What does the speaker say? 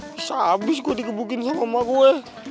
bisa abis gue dikebukin sama emak gue